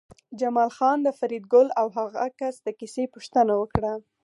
جمال خان د فریدګل او هغه کس د کیسې پوښتنه وکړه